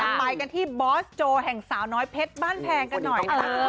ไปกันที่บอสโจแห่งสาวน้อยเพชรบ้านแพงกันหน่อย